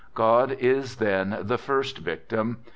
... Jgod is then the firstjactim